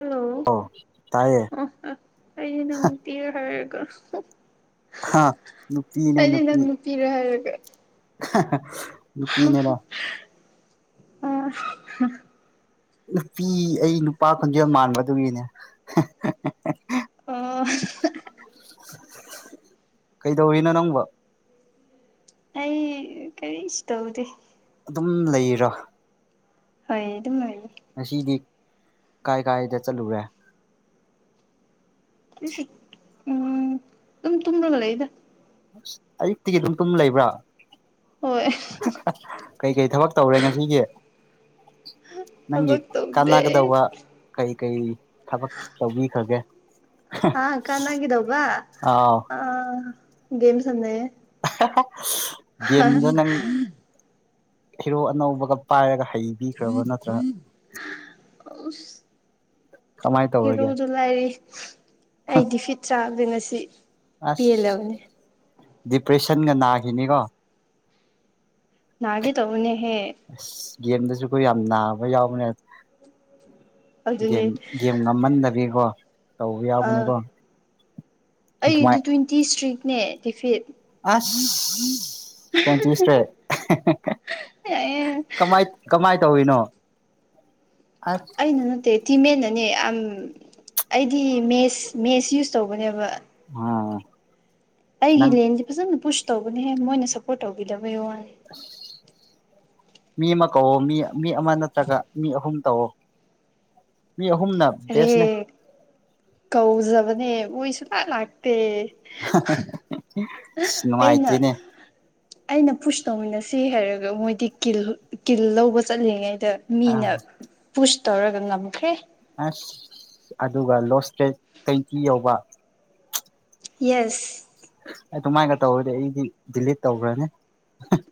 Hello ꯑꯧ ꯇꯥꯏꯌꯦ ꯑꯍ ꯑꯩꯗꯤ ꯅꯪ ꯅꯨꯄꯤꯔ ꯍꯥꯏꯔꯒ ꯍꯥ ꯅꯨꯄꯤꯅꯦ ꯅꯨꯄꯤ ꯄꯤꯔꯥ ꯍꯥꯏꯔꯒ [unintelligible] ꯑ ꯅꯨꯄꯤ ꯑꯩ ꯅꯨꯄꯥ ꯈꯣꯟꯖꯦꯜ ꯃꯥꯟꯕ ꯑꯗꯨꯒꯤꯅꯦ ꯑꯣ ꯀꯩꯗꯧꯔꯤꯅꯣ ꯅꯪꯕꯣ ꯑꯩ ꯀꯔꯤꯁꯨ ꯇꯧꯗꯦ ꯑꯗꯨꯝ ꯂꯩꯔꯣ ꯍꯣꯏ ꯑꯗꯨꯝ ꯂꯩꯅꯤ ꯉꯁꯤꯗꯤ ꯀꯥꯏ ꯀꯥꯏꯗ ꯆꯠꯂꯨꯔꯦ [unintelligible] ꯎꯝ ꯗꯨꯝ ꯇꯨꯝꫪꯒ ꯂꯩꯗ ꯑꯁ ꯑꯌꯨꯛꯇꯒꯤ ꯗꯨꯝ ꯇꯨꯝ ꯂꯩꯕ꯭ꯔ ꯍꯣꯏ ꯀꯩ ꯀꯩ ꯊꯕꯛ ꯇꯧꯔꯦ ꯉꯁꯤꯒꯤ ꯅꯪꯒꯤ ꯊꯕꯛ ꯇꯧꯗꯦ ꯀꯥꯟꯅꯒꯗꯧꯕ ꯀꯩ ꯀꯩ ꯊꯕꯛ ꯇꯧꯕꯤꯈ꯭ꯔꯒꯦ ꯑꯥ ꯀꯥꯟꯅꯒꯗꯧꯕ ꯑꯥꯎ ꯑ ꯒꯦꯝ ꯁꯥꯟꯅꯩꯌꯦ [unintelligible] ꯒꯦꯝꯗꯣ ꯅꯪ ꯍꯦꯔꯣ ꯑꯅꯧꯕꯒ ꯄꯥꯏꯔꯒ ꯍꯩ ꯕꯤꯈ꯭ꯔꯕ ꯅꯠꯇ꯭ꯔ ꯑꯁ ꯀꯃꯥꯏꯟ ꯇꯧꯔꯒꯦ ꯅꯨꯡꯉꯥꯏꯔꯤ ꯑꯩ ꯗꯤꯐꯤꯠ ꯆꯥꯕꯗ ꯉꯁꯤ ꯑꯁ ꯄꯦꯜꯂꯕꯅꯦ ꯗꯤꯄ꯭ꯔꯦꯁꯟꯒ ꯅꯥꯒꯤꯅꯤꯒꯣ ꯅꯥꯒꯦ ꯇꯧꯕꯅꯦꯍꯦ ꯑꯁ ꯒꯦꯝꯗꯖꯨꯀꯣ ꯌꯥꯝ ꯅꯥꯕ ꯌꯥꯎꯕꯅꯦ ꯑꯗꯨꯅꯦ ꯒꯦꯝ ꯒꯦꯝ ꯉꯃꯟꯗꯒꯤꯀꫭ ꯇꯧꯕ ꯑꯥ ꯌꯥꯎꯕꯅꯤꯀꯣ ꯑꯗꯨꯃꯥꯏ ꯇꯤ ꯏꯁꯇ꯭ꯔꯤꯛꯅꯦ ꯗꯤꯐꯤꯠ ꯑꯥꯁ [unintelligible] ꯏꯁꯇ꯭ꯔꯦꯠ ꯑꯦ ꯀꯃꯥꯏ ꯀꯃꯥꯏ ꯇꯧꯋꯤꯅꯣ ꯑꯥꯁ ꯑꯩꯅ ꯅꯠꯇꯦ ꯇꯤꯝ ꯃꯦꯠꯅꯅꯦ ꯌꯥꯝ ꯑꯩꯗꯤ ꯃꯦꯁ ꯃꯦꯁ ꯌꯨꯁ ꯇꯧꯕꯅꯦꯕ [unintelligible] ꯑꯩꯒꯤ ꯅꯪ ꯂꯦꯟꯗꯤ ꯐꯖꯅ ꯄꯨꯁ ꯇꯧꯕꯅꯦꯍꯦ ꯃꯣꯏꯅ ꯁꯞꯄꯣꯔꯠ ꯇꯧꯕꯤꯗꯕꯒꯤ ꯋꯥꯅꯤ ꯃꯤ ꯑꯃ ꯀꯧꯋꯣ ꯃꯤ ꯃꯤ ꯑꯃ ꯅꯠꯇ꯭ꯔꯒ ꯃꯤ ꯑꯍꯨꯝ ꯇꯧꯋꯣ‌ ꯍꯔꯦ ꯕꯦꯁꯅꯦ ꯀꯧꯖꯕꯅꯦ ꯃꯣꯏ ꯁꯨꯡꯂꯥꯛ ꯂꯥꯛꯇꯦ ꯑꯁ [unintelligible] ꯑꯩꯅ ꯅꯨꯡꯉꯥꯏꯇꯦꯅꯦ ꯑꯩꯅ ꯄꯨꯁ ꯇꯧꯃꯤꯟꯅꯁꯤ ꯍꯥꯏꯔꯒ ꯃꯣꯏꯗꯤ ꯀꯤꯜ ꯀꯤꯜ ꯂꯧꯕ ꯆꯠꯂꯤꯉꯩꯗ ꯑꯥ ꯃꯤꯅ ꯄꯨꯁ ꯇꯧꯔꯒ ꯉꯝꯈ꯭ꯔꯦ ꯑꯥꯁ ꯑꯗꯨꯒ ꯂꯣꯁ ꯏꯁꯇ꯭ꯔꯦꯠ ꯇꫭꯏꯟꯇꯤ ꯌꯧꯕ ꯌꯦꯁ ꯑꯗꯨꯃꯥꯏꯒ ꯇꯧꯔꯗꯤ ꯑꯩꯗꯤ ꯗꯤꯂꯤꯠ ꯇꯧꯈ꯭ꯔꯅꯤ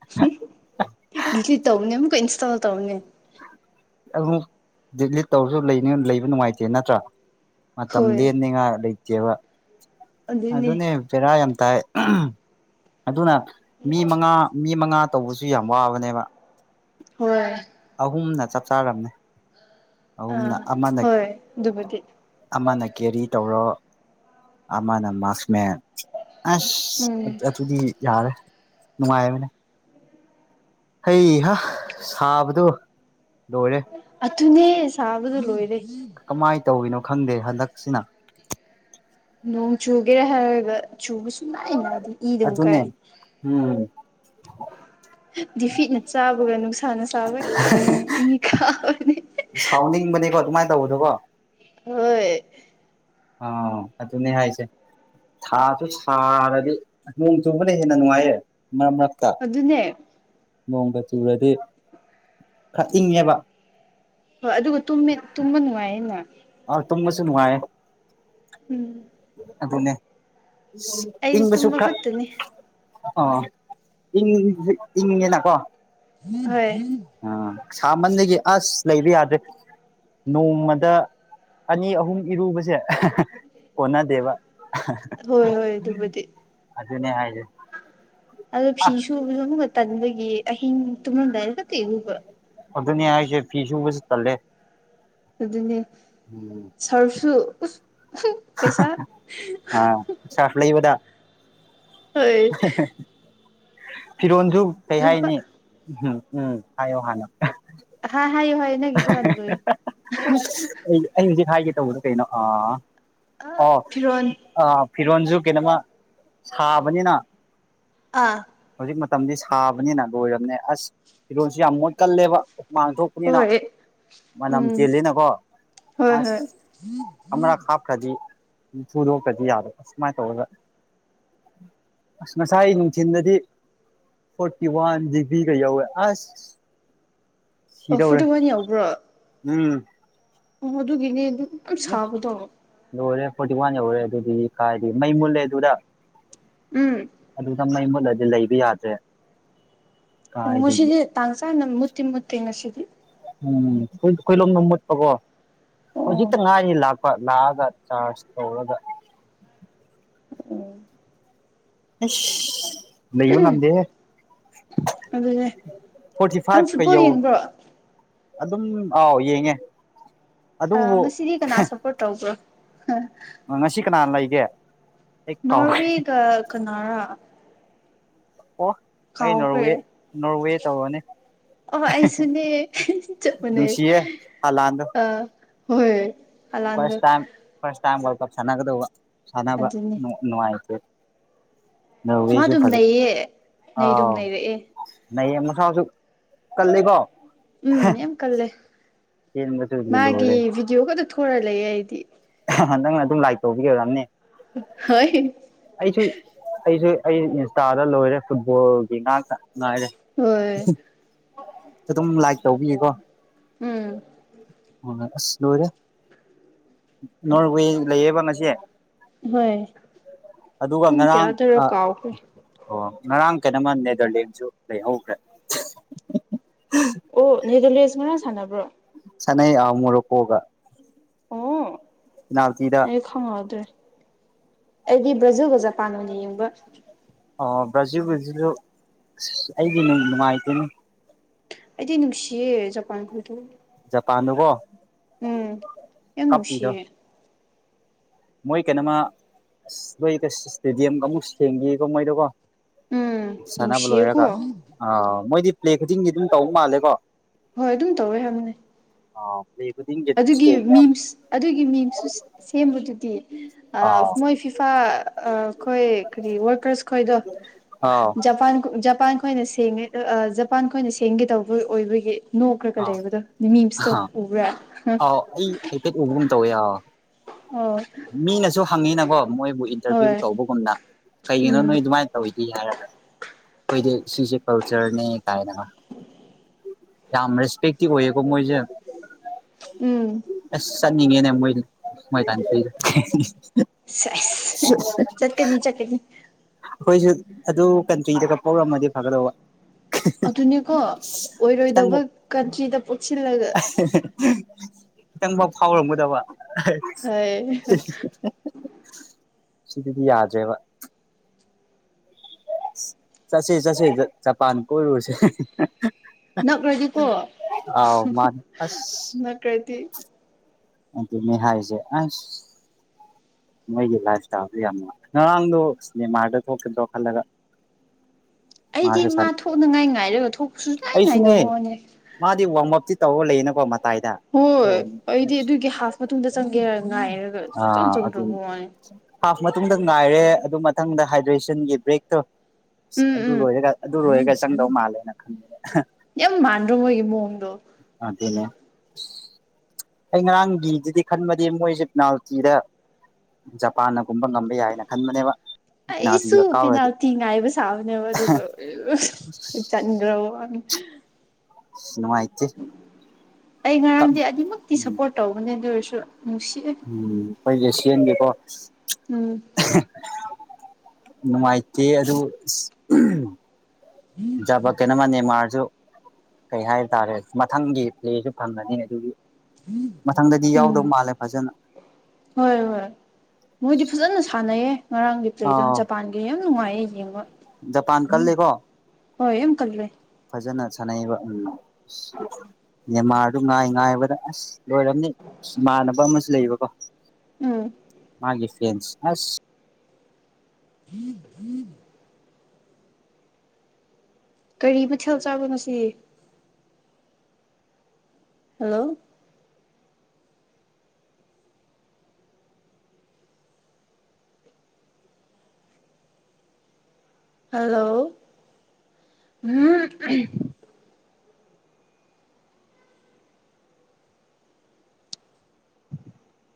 [unintelligible] ꯗꯤꯂꯤꯠ ꯇꯧꯕꯅꯦ ꯑꯃꯨꯛꯀ ꯏꯟꯁꯇꯣꯜ ꯇꯧꯕꯅꯦ ꯑꯃꯨꯛ ꯗꯤꯂꯤꯠ ꯇꯧꯔꯁꯨ ꯂꯩꯕ ꯅꯨꯡꯉꯥꯏꯇꯦ ꯅꯠꯇ꯭ꯔ ꯃꯇꯝ ꯍꯣꯏ ꯂꯦꯟꯅꯤꯡꯉꯥꯏ ꯂꯩꯇꯦꯕ ꯑꯗꯨꯅꯤ ꯑꯗꯨꯅꯦ ꯕꯦꯔꯥ ꯌꯥꯝ ꯇꯥꯏ [unintelligible] ꯑꯗꯨꯅ ꯃꯤ ꯃꯉꯥ ꯃꯤ ꯃꯉꯥ ꯇꯧꯕꯁꯨ ꯌꯥꯝ ꯋꯥꯕꯅꯦꯕ ꯍꯣꯏ ꯑꯍꯨꯝꯅ ꯆꯞ ꯆꯥꯔꯝꯅꯦ ꯑ ꯑꯍꯨꯝꯅ ꯑꯃꯅ ꯍꯣꯏ ꯑꯗꯨꯕꯨꯗꯤ ꯑꯃꯅ ꯀꯦꯔꯤ ꯇꯧꯔꯣ ꯑꯃꯅ ꯃꯥꯛꯁꯃꯦꯟ ꯎꯝ ꯑꯁ ꯑꯗꯨꯗꯤ ꯌꯥꯔꯦ ꯅꯨꯡꯉꯥꯏꯕꯅꯦ ꯍꯩ ꯍꯥ ꯁꯥꯕꯗꯨ ꯂꯣꯏꯔꯦ ꯑꯗꯨꯅꯦ ꯁꯥꯕꯗꯨ ꯂꯣꯏꯔꯦ ꯀꯃꯥꯏ ꯇꯧꯔꯤꯅꯣ ꯈꯪꯗꯦ ꯍꯟꯗꯛꯁꯤꯅ ꯅꯣꯡ ꯆꯨꯒꯦꯔ ꯍꯥꯏꯔꯒ ꯆꯨꯕ ꯁꯨꯛꯅꯥꯏ ꯅꯥꯏꯗꯦ ꯏ ꯗꯨꯝ ꯑꯗꯨꯅꯦ ꯀꯥꯏ ꯎꯝ ꯗꯤꯐꯤꯠꯅ ꯆꯥꯕꯒ ꯅꯨꯡꯁꯥꯅ ꯁꯥꯕ ꯏ ꯀꯥꯕꯅꯦ ꯁꯥꯎꯅꯤꯡꯕꯅꯦꯀꯣ ꯑꯗꯨꯃꯥꯏ ꯇꯧꯕꯗꯣꯀꯣ ꯍꯣꯏ ꯑꯧ ꯑꯗꯨꯅꯦ ꯍꯥꯏꯁꯦ꯫ ꯊꯥꯁꯨ ꯁꯥꯔꯗꯤ ꯅꯣꯡ ꯆꯨꯕꯅ ꯍꯦꯟꯅ ꯅꯨꯡꯉꯥꯏꯌꯦ ꯃꯔꯛ-ꯃꯔꯛꯇ꯫ ꯑꯗꯨꯅꯦ꯫ ꯅꯣꯡꯒ ꯆꯨꯔꯗꯤ ꯈꯔ ꯏꯪꯉꯦꯕ꯫ ꯍꯣꯏ ꯑꯗꯨꯒ ꯇꯨꯝꯃꯦ ꯇꯨꯝꯕ ꯅꯨꯡꯉꯥꯏꯌꯦꯅ꯫ ꯑꯧ ꯇꯨꯝꯕꯁꯨ ꯅꯨꯡꯉꯥꯏꯌꯦ꯫ ꯎꯝ꯫ ꯑꯗꯨꯅꯦ ꯑꯩꯗꯤ ꯏꯪꯕꯁꯨ ꯇꯨꯝꯕ ꯈꯔ ꯈꯛꯇꯅꯤ ꯑ ꯏꯪꯕꯗꯤ ꯏꯪꯉꯦꯅꯀꯣ [unintelligible] ꯍꯣꯢ꯫ ꯑ ꯁꯥꯃꯟꯗꯒꯤ ꯑꯁ ꯂꯩꯕ ꯌꯥꯗ꯭ꯔꯦ꯫ ꯅꯣꯡꯃꯗ ꯑꯅꯤ ꯑꯍꯨꯝ ꯏꯔꯨꯕꯁꯦ [unintelligible] ꯀꯣꯟꯅꯗꯦꯕ꯫ ꯍꯣꯏ-ꯍꯣꯏ ꯑꯗꯨꯕꯨꯗꯤ꯫ ꯑꯗꯨꯅꯦ ꯍꯥꯏꯁꯦ꯫ ꯑꯗꯣ ꯐꯤ ꯁꯨꯕꯁꯨ ꯑꯃꯨꯛꯀ ꯇꯟꯕꯒꯤ ꯑꯍꯤꯡ ꯇꯨꯝꯂꯝꯗꯥꯏꯗ ꯍꯦꯛꯇ ꯏꯔꯨꯕ꯫ ꯑꯗꯨꯅꯦ ꯍꯥꯏꯁꯦ ꯐꯤꯁꯨꯨꯕꯁꯨ ꯇꯜꯂꯦ꯫ ꯑꯗꯨꯅꯦ ꯁ꯭ꯔꯐꯁꯨ ꯎꯁ ꯄꯩꯁꯥ [unintelligible] ꯑꯥ ꯁꯔꯐ ꯂꯩꯕꯗ ꯍꯣꯏ [unintelligible] ꯐꯤꯔꯣꯟꯁꯨ ꯀꯩ ꯂꯨꯄꯥ ꯍꯥꯏꯅꯤ ꯎꯝꯍꯝ ꯎꯝ ꯍꯥꯏꯌꯣ ꯍꯥꯟꯅ ꯑꯍꯥ ꯍꯥꯏꯌꯨ-ꯍꯥꯏꯌꯨ ꯅꯪꯒꯤꯗꯨ ꯍꯥꯟꯅ ꯂꯣꯏꯌꯣ [unintelligible] ꯑꯩ ꯑꯩ ꯍꯨꯖꯤꯛ ꯍꯥꯏꯒꯦ ꯇꯧꯕꯗ ꯀꯩꯅꯣ ꯑꯥ ꯑꯣ ꯐꯤꯔꯣꯟ ꯑ ꯐꯤꯔꯣꯟꯁꯨ ꯀꯩꯅꯣꯃ ꯁꯥꯕꯅꯤꯅ ꯑꯥ ꯍꯧꯖꯤꯛ ꯃꯇꯝꯗꯤ ꯁꯥꯕꯅꯤꯅ ꯂꯣꯏꯔꯕꯅꯦ ꯑꯁ ꯐꯤꯔꯣꯜꯁꯤ ꯌꯥꯝ ꯃꯣꯠꯀꯜꯂꯦꯕ ꯍꯨꯃꯥꯡ ꯊꯣꯛ ꯍꯣꯏꯠ꯫ ꯃꯅꯝ ꯆꯦꯜꯂꯤꯅꯀꯣ ꯑꯁ ꯑꯃꯔꯛꯈꯛ ꯍꯥꯞꯈ꯭ꯔꯗꯤ ꯁꯨꯗꯣꯛꯇ꯭ꯔꯗꯤ ꯌꯥꯗ ꯑꯁꯨꯃꯥꯏꯅ ꯇꯧꯔꯒ ꯑꯁ ꯉꯁꯥꯏ ꯅꯨꯡꯊꯤꯟꯗꯗꯤ ꯐꯣꯔꯇꯤ ꯋꯥꯟ ꯗꯤꯒ꯭ꯔꯤꯒ ꯌꯧꯋꯦ ꯑꯁ ꯁꯤꯗꯧꯔꯦ꯫ [unintelligible] ꯌꯧꯕ꯭ꯔꯣ? ꯎꯝ꯫ ꯑꯣ ꯑꯗꯨꯒꯤꯅꯦ ꯑꯗꯨꯛ ꯌꯥꯝ ꯁꯥꯕꯗꯣ ꯂꯣꯏꯔꯦ ꯐꯣꯔꯇꯤ ꯋꯥꯟ ꯌꯧꯔꯦ ꯑꯗꯨꯗꯤ ꯀꯥꯏꯗꯩ ꯃꯩ ꯃꯨꯠꯂꯦ ꯑꯗꯨꯗ꯫ ꯎꯝ ꯑꯗꯨꯗ ꯃꯩ ꯃꯨꯠꯂꯗꯤ ꯂꯩꯕ ꯌꯥꯗ꯭ꯔꯦ꯫ ꯑꯣ ꯀꯥꯏꯗꯒꯤ ꯉꯁꯤꯗꯤ ꯇꯥꯡ ꯆꯥꯅ ꯃꯨꯠꯇꯤ ꯃꯨꯠꯇꯦ ꯉꯁꯤꯗꯤ꯫ ꯎꯝ ꯈꯣꯏ ꯈꯣꯏꯂꯣꯝꯗ ꯃꯨꯠꯄꯀꯣ ꯑꯣ ꯍꯧꯖꯤꯛꯇ ꯉꯥꯏꯔꯤ ꯂꯥꯛ ꯄ ꯂꯥꯛꯑꯒ ꯆꯥꯔꯁ ꯇꯧꯔꯒ ꯑꯁ ꯂꯩꯕ ꯉꯝꯗꯦꯍꯦ꯫ ꯑꯗꯨꯅꯦ ꯐꯣꯔꯇꯤ ꯅꯪ ꯐꯥꯏꯞꯀ ꯐꯨꯠꯕꯣꯜ ꯌꯧ ꯌꯦꯡꯕ꯭ꯔꯣ ꯑꯗꯨꯝ ꯑꯥꯎ ꯌꯦꯡꯉꯦ꯫ ꯑ ꯑꯗꯨꯕꯨ ꯉꯁꯤꯗꯤ ꯀꯅꯥ ꯁꯄꯣꯔꯠ ꯇꯧꯕ꯭ꯔꯣ? ꯉꯁꯤ ꯀꯅꯥ ꯂꯩꯒꯦ? ꯑꯩ ꯀꯥꯎ ꯅꯣꯔꯋꯦꯒ ꯀꯅꯥꯔ? ꯑꯣ ꯑꯩ ꯅꯣꯔꯋꯦ ꯀꯥꯎꯈ꯭ꯔꯦ ꯅꯣꯔꯋꯦ ꯇꯧꯔꯅꯤ꯫ ꯑꯣ ꯑꯩꯁꯨꯅꯦ ꯆꯞ ꯃꯥꯟꯅꯩ ꯅꯨꯡꯁꯤꯌꯦ ꯍꯂꯥꯟꯗꯣ ꯑ ꯍꯣꯏ ꯍꯂꯥꯟꯗꯣ first time first time world cup ꯁꯥꯟꯅꯒꯗꯧꯕ ꯁꯥꯟꯅꯕ ꯑꯗꯨꯅꯤ ꯅꯨꯡꯉꯥꯏꯇꯦ ꯃꯥ ꯅꯣꯔꯋꯦꯁꯨ ꯑꯗꯨꯝ ꯐꯖꯩ ꯅꯩꯌꯦ ꯅꯩꯗꯨꯝ ꯅꯩꯔꯛꯑꯦ ꯑꯥꯎ [unintelligible] ꯀꯜꯂꯤꯀꯣ ꯎꯝ ꯌꯥꯝ ꯀꯜꯂꯦ ꯆꯦꯟꯕꯗꯨꯒꯤ ꯂꯣꯏꯔꯦ [unintelligible] ꯌꯣ ꯈꯠꯇ ꯊꯣꯔ ꯂꯩꯌꯦ ꯑꯩꯗꯤ ꯅꯪꯅ ꯑꯗꯨꯝ ꯂꯥꯏꯛ ꯇꯧꯕꯒꯤ ꯑꯣꯏꯔꯝꯅꯤ ꯍꯣꯏ ꯑꯩꯁꯨ ꯑꯩꯁꯨ ꯑꯩ ꯏꯟꯁꯇꯥꯗ ꯂꯣꯏꯔꯦ ꯐꯨꯠꯕꯣꯜꯒꯤ ꯉꯥꯛꯇ ꯉꯥꯏꯔꯦ ꯍꯣꯏ ꯑꯗꯨꯝ ꯂꯥꯏꯛ ꯇꯧꯕꯒꯤ ꯀꯣ ꯎꯝ ꯑꯣ ꯑꯁ ꯂꯣꯏꯔꯦ ꯅꯣꯔꯋꯦ ꯂꯩꯌꯦꯕ ꯉꯁꯤ ꯍꯣꯏ ꯑꯗꯨꯒ ꯄꯨꯡ ꯉꯔꯥꯡ ꯀꯌꯥꯗꯔ ꯑ ꯀꯥꯎꯈ꯭ꯔꯦ ꯑꯣ ꯑꯗꯨꯒ ꯉꯔꯥꯡ ꯀꯩꯅꯣꯃ ꯅꯦꯗꯔꯂꯦꯟꯁꯨ ꯂꯩꯍꯧꯈ꯭ꯔꯦ ꯑꯣ ꯅꯦꯗꯔꯂꯦꯟꯁꯨ ꯉꯔꯥꯡ ꯁꯥꯟꯅꯕ꯭ꯔꯣ ꯁꯅꯩꯌꯦ ꯑꯧ ꯃꯣꯔꯣꯀꯣꯒ ꯑꯣ ꯄꯦꯅꯥꯜꯇꯤꯗ ꯈꯪꯉꯧꯗ꯭ꯔꯦ ꯑꯩꯗꯤ ꯕ꯭ꯔꯖꯤꯜꯒ ꯖꯄꯥꯟ ꯑꯣꯏꯅ ꯌꯦꯡꯕ ꯑꯣ ꯕ꯭ꯔꯖꯤꯜ ꯍꯣꯏꯁꯤꯁꯨ ꯑꯁ ꯑꯩꯗꯤ ꯅꯨꯡꯕꯨ ꯅꯨꯡꯉꯥꯏꯇꯦꯅꯤ ꯑꯩꯗꯤ ꯨꯅꯨꯛꯁꯤꯌꯦ ꯖꯄꯥꯟꯈꯣꯏꯗꯨ ꯖꯄꯥꯟ ꯗꯨꯀꯣ ꯎꯝ ꯌꯥꯝ ꯅꯨꯡꯁꯤꯌꯦ ꯃꯣꯏ ꯀꯩꯅꯣꯃ ꯑꯁ [unintelligible] ꯏꯁꯇꯦꯗꯤꯌꯝꯒ ꯑꯃꯨꯛ ꯁꯦꯡꯕꯤꯌꯦꯀꯣ ꯃꯣꯏꯗꯣꯀꯣ ꯎꯝ ꯁꯥꯟꯅꯕ ꯅꯨꯡꯁꯤꯌꯦꯀꯣ ꯂꯣꯏꯔꯒ ꯑꯥ ꯃꯣꯏꯗꯤ ꯄ꯭ꯂꯦ ꯈꯨꯗꯤꯡꯗꯤ ꯑꯗꯨꯝ ꯇꯧꯕ ꯃꯥꯜꯂꯦꯀꯣ ꯍꯣꯏ ꯑꯗꯨꯝ ꯇꯧꯋꯦ ꯍꯥꯏꯕꯅꯤ ꯑꯥꯎ ꯂꯩꯕꯗꯤ ꯑꯗꯨꯒꯤ ꯃꯤꯝꯁ ꯑꯗꯨꯒꯤ ꯃꯤꯝꯁꯨ ꯁꯦꯝꯕꯗꯨꯗꯤ ꯃꯣꯏ ꯐꯤꯞ ꯑꯩꯈꯣꯏ ꯀꯔꯤ ꯋꯥꯔꯀꯔꯁ ꯈꯣꯏꯗꯣ ꯑꯥꯎ ꯖꯄꯥꯟꯖꯄꯥꯟ ꯑꯩꯈꯣꯏꯅ ꯁꯦꯡꯉꯦ ꯖꯄꯥꯟ ꯑꯩꯈꯣꯏꯅ ꯁꯦꯡꯒꯦ ꯇꯧꯕ ꯑꯣꯏꯕꯒꯤ ꯅꯣꯛꯈ꯭ꯔꯒ ꯑꯥ ꯂꯩꯕꯗ ꯃꯤꯝꯁꯇꯣ ꯎꯕ꯭ꯔꯦ ꯑꯥꯎ ꯑꯩ ꯍꯥꯏꯐꯦꯠ ꯎꯕꯨꯝ ꯇꯧꯋꯦ ꯑ ꯑꯣ ꯃꯤꯅꯁꯨ ꯍꯪꯉꯤꯅꯀꯣ ꯃꯣꯏꯕꯨ ꯏꯟꯇꯔꯚꯤꯌꯨ ꯍꯣꯏ ꯇꯧꯕꯒꯨꯝꯅ ꯀꯩꯒꯤꯅꯣ ꯎꯝ ꯅꯣꯏ ꯑꯗꯨꯃꯥꯏꯅ ꯇꯧꯋ ꯏ ꯍꯥꯏꯔꯒ ꯑꯩꯈꯣꯏꯗꯤ ꯁꯤꯁꯦ ꯀꯜꯆꯔꯅꯦ ꯀꯥꯏꯅ ꯌꯥꯝ ꯔꯦꯁꯄꯛꯇꯤ ꯑꯣꯏꯀꯣ ꯃꯣꯏꯁꯦ ꯎꯝ ꯑꯁ ꯆꯠꯅꯤꯡꯉꯦꯅꯦ ꯃꯣꯏ ꯃꯣꯏ ꯁꯧꯁ ꯆꯠꯀꯅꯤ ꯆꯠꯀꯅꯤ ꯑꯩꯈꯣꯏꯁꯨ ꯑꯗꯨ ꯀꯟꯇ꯭ꯔꯤꯗꯒꯄꯧꯔꯝꯃꯗꯤ ꯐꯒꯗꯧꯕ ꯑꯗꯨꯅꯦꯀꯣ ꯈꯤꯇꯡꯕꯧ ꯑꯣꯏꯔꯣꯏꯗꯕ ꯀꯟꯇ꯭ꯔꯤꯗ ꯄꯣꯛꯁꯤꯜꯂꯒ ꯈꯤꯇꯪꯐꯥꯎ ꯐꯥꯎꯔꯝꯒꯗꯕ ꯍꯣꯏ ꯁꯤꯗꯤꯤꯗꯤ ꯌꯥꯗꯦꯕ ꯆꯁꯦ ꯆꯁꯦ ꯖꯄꯥꯟ ꯀꯔꯣꯁ ꯅꯛꯔꯗꯤꯀꯣ ꯑꯥꯎ ꯃꯥꯟ ꯑꯁ ꯀꯗꯤ [inaudible] ꯑꯗꯨꯅꯦ ꯍꯥꯏꯁꯦ ꯑꯁ ꯃꯣꯏꯒꯤ ꯂꯥꯏꯐ ꯁ꯭ꯇꯥꯜꯖꯦ ꯌꯥꯝꯅ ꯉꯔꯥꯡꯗꯣ ꯅꯦꯃꯥꯔꯗꯨ ꯊꯣꯛꯀꯤꯗ꯭ꯔꯣ ꯈꯜꯂꯒ ꯑꯩꯗꯤ ꯃꯥꯁꯨ ꯃꯥ ꯁꯥꯟ ꯊꯣꯛꯅꯉꯥꯏ ꯉꯥꯏꯔꯒ ꯊꯣꯛ ꯑꯩꯁꯨꯅꯦ ꯃꯥꯗꯤ ꯋꯥꯝꯃꯞꯇꯤ ꯇꯧꯔ ꯂꯩꯌꯦꯅꯀꯣ ꯃꯇꯥꯏꯗ ꯍꯣꯏ ꯊꯣꯛꯑꯅꯤ ꯑꯩꯗꯤ ꯑꯁ ꯑꯗꯨꯒꯤ ꯍꯥꯐ ꯃꯇꯨꯡꯗ ꯆꯪꯒꯦꯔ ꯉꯥꯏꯔꯒ ꯁꯨꯡꯆꯪ ꯑꯥ ꯑꯗꯨꯅꯤ ꯆꯪꯗ꯭ꯔꯕ ꯋꯥꯅꯦ ꯍꯥꯐ ꯃꯇꯨꯡꯗ ꯉꯥꯏꯔꯦ ꯑꯗꯨ ꯃꯊꯪꯗ ꯍꯥꯏꯗ꯭ꯔꯦꯁꯟꯒꯤ ꯕ꯭ꯔꯦꯛ ꯇꯣ ꯎꯝ ꯑꯗꯨ ꯎꯝ ꯂꯣꯏꯔꯒ ꯑꯗꯨ ꯂꯣꯏꯔꯒ ꯆꯪꯗꯧ ꯃꯥꯜꯂꯦꯅ ꯈꯪꯕꯗ ꯌꯥꯝ ꯃꯥꯟꯗꯔꯣ ꯃꯣꯏꯒꯤ ꯃꯑꯣꯡꯗꯣ ꯑꯗꯨꯅꯦ ꯑꯩ ꯉꯔꯥꯡꯒꯤꯗꯨꯗꯤ ꯈꯟꯕꯗꯤ ꯃꯣꯏꯁꯦ ꯄꯦꯅꯥꯜꯇꯤꯗ ꯖꯄꯥꯟꯅꯒꯨꯝꯕ ꯉꯝꯕ ꯌꯥꯏꯅ ꯈꯟꯕꯅꯦꯕ ꯑꯩꯁꯨ ꯄꯦꯅꯥꯜꯇꯤꯒ ꯀꯥꯎꯔꯗꯤ ꯄꯦꯅꯥꯜꯇꯤ ꯉꯥꯏꯕ ꯁꯥꯕꯅꯦꯕ ꯑꯗꯨꯒ ꯆꯟꯈ꯭ꯔꯕ ꯃꯥꯅ ꯍ ꯅꯨꯡꯉꯥꯏ ꯑꯩ ꯉꯔꯥꯡꯗꯤ ꯑꯗꯨꯃꯛꯇꯤ ꯎꯝ ꯁꯞꯄꯣꯔꯠ ꯇꯧꯕꯅꯦ ꯑꯗꯨ ꯑꯣꯏꯔꯁꯨ ꯅꯨꯡꯁꯤ ꯎꯝ ꯑꯩꯒꯤ ꯁꯤꯟꯕꯤꯕꯥ ꯎꯝ ꯅꯨꯡꯉꯥꯏꯇꯦ ꯑꯗꯨ ꯖꯕ ꯀꯩꯅꯣꯃ ꯅꯦꯟꯃꯥꯔꯁꯨ ꯀꯩ ꯍꯥꯏꯇꯥꯔꯦ ꯃꯊꯪꯒꯤ ꯄ꯭ꯂꯦꯁꯨ ꯐꯪꯡꯒꯅꯤ ꯑꯗꯨꯒꯤ ꯃꯊꯪꯗꯗꯤ ꯎꯝ ꯌꯥꯎꯗꯧ ꯃꯥꯜꯂꯦ ꯐꯖꯅ ꯍꯣꯏ ꯍꯣꯏ ꯃꯣꯏꯗꯤ ꯐꯖꯅ ꯁꯥꯟꯅꯩꯌꯦ ꯉꯔꯥꯡꯒꯤ ꯄ꯭ꯂꯦꯗꯣ ꯑꯥ ꯖꯄꯥꯟꯒꯤ ꯌꯝ ꯅꯨꯡꯉꯥꯏꯌꯦ ꯌꯦꯡꯕ ꯖꯄꯥꯟ ꯀꯜꯂꯦꯀꯣ ꯍꯣꯏ ꯌꯥꯝ ꯀꯜꯂꯦ ꯐꯖꯅ ꯁꯥꯟꯅꯩꯕ ꯎꯝ ꯅꯦꯃꯥꯔꯗꯨ ꯉꯥꯏ ꯉꯥꯏꯕꯗ ꯑꯁ ꯂꯣꯏꯔꯝꯅꯤ ꯏꯃꯥꯟꯅꯕ ꯑꯃꯁꯨ ꯂꯩꯕꯀꯣ ꯎꯝ ꯃꯥꯒꯤ ꯐꯦꯟꯁ ꯑꯁ [unintelligible] ꯀꯔꯤ ꯃꯊꯦꯜ ꯆꯥꯕ ꯉꯁꯤ ꯍꯜꯂꯣ ꯍꯜꯂꯣ ꯎꯝ [unintelligible]